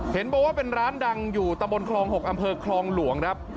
เห็นบอกว่าเป็นร้านดังอยู่ตะบนคลอง๖อำเภอคลองหลวงครับ